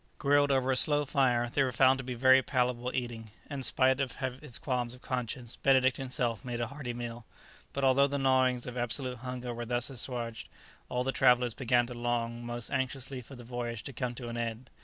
Grilled over a slow fire, they were found to be very palatable eating, and, spite of his qualms of conscience, Benedict himself made a hearty meal. But although the gnawings of absolute hunger were thus assuaged, all the travellers began to long most anxiously for the voyage to come to an end.